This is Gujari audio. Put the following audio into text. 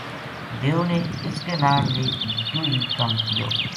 دیو نے اس کے ناڑ بھی یوہی کم کیو